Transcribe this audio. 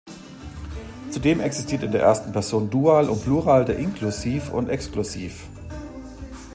Zudem existiert in der ersten Person Dual und Plural der Inklusiv und Exklusiv.